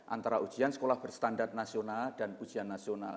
antara ujian sekolah berstandar nasional dan ujian nasional